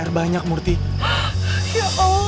kelihatan allah tak mau beri bayi kamu ke aku